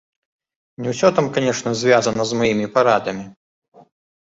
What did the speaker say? Не ўсё там, канешне, звязана з маімі парадамі.